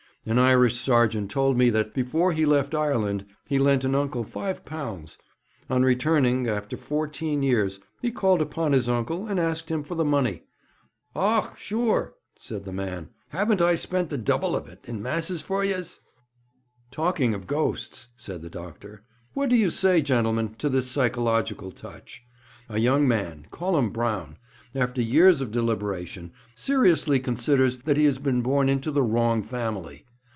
'An Irish sergeant told me that, before he left Ireland, he lent an uncle five pounds. On returning, after fourteen years, he called upon his uncle, and asked him for the money. "Och, shure," said the man, "haven't I spent the double of it in masses for yez?"' 'Talking of ghosts,' said the doctor, 'what do you say, gentlemen, to this psychological touch? A young man call him Brown after years of deliberation, seriously considers that he has been born into the wrong family.